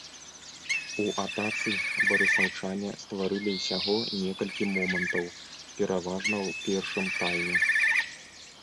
У атацы барысаўчане стварылі ўсяго некалькі момантаў, пераважна ў першым тайме.